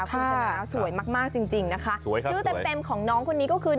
คุณชนะสวยมากจริงนะคะชื่อเต็มของน้องคนนี้ก็คือ